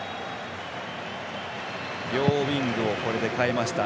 両ウィングをこれで代えました。